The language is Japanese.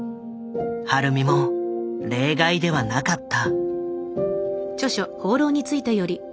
晴美も例外ではなかった。